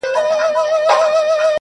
دوه غوايي يې ورته وچیچل په لار کي٫